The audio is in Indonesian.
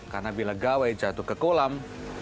karena bila gawai jatuh ke kolam